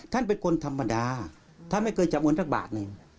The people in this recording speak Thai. ท่านเป็นคนธรรมดาท่านไม่เคยจำนวนสักบาทหนึ่ง